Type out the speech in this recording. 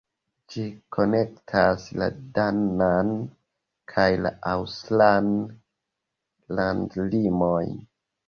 Ĝi konektas la danan kaj la aŭstran landlimojn.